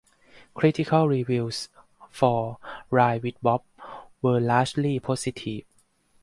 Critical reviews for "Ride with Bob" were largely positive.